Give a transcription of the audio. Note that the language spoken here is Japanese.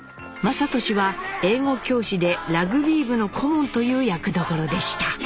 雅俊は英語教師でラグビー部の顧問という役どころでした。